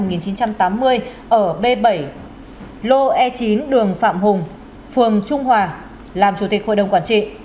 năm một nghìn chín trăm tám mươi ở b bảy lô e chín đường phạm hùng phường trung hòa làm chủ tịch hội đồng quản trị